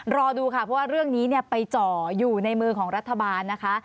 รอดูค่ะเพราะว่าเรื่องนี้ไปจ่ออยู่ในมือของรัฐบาลนะคะ